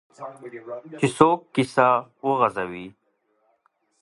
چې څوک کیسه وغځوي.